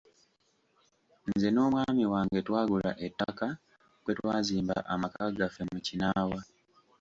Nze n’omwami wange twagula ettaka kwe twazimba amaka gaffe mu Kinaawa.